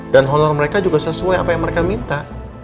dan honor mereka juga sesuai apa yang mereka minta